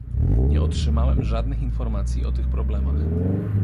Nie otrzymałem żadnych informacji o tych problemach